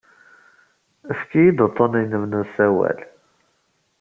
Efk-iyi-d uḍḍun-nnem n usawal.